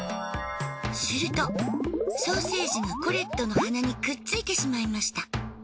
するとソーセージがコレットの鼻にくっついてしまいました。